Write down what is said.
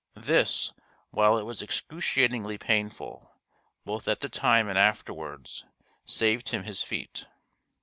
This, while it was excruciatingly painful, both at the time and afterwards, saved him his feet.